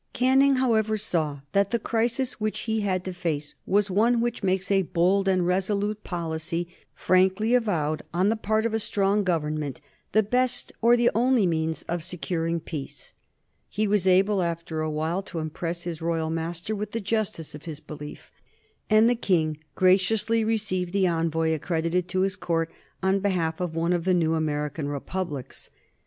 Canning, however, saw that the crisis which he had to face was one which makes a bold and resolute policy, frankly avowed on the part of a strong Government, the best or the only means of securing peace. He was able, after a while, to impress his royal master with the justice of his belief, and the King graciously received the envoy accredited to his Court on behalf of one of the new American Republics.